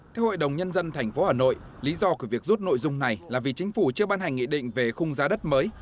theo hội đồng nhân dân tp hà nội lý do của việc rút nội dung này là vì chính phủ chưa ban hành nghị định về khung giá đất mới